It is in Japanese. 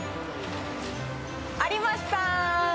ありました。